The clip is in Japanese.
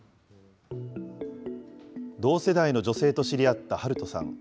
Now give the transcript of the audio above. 同世代の女性と知り合ったハルトさん。